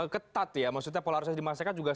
ketat ya maksudnya polarisasi di masyarakat juga